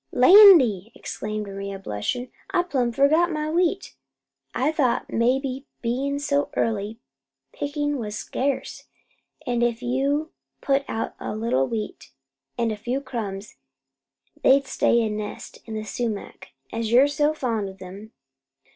"Landy!" exclaimed Maria, blushing; "I plumb forgot my wheat! I thought maybe, bein' so early, pickin' was scarce, an' if you'd put out a little wheat an' a few crumbs, they'd stay an' nest in the sumac, as you're so fond o' them."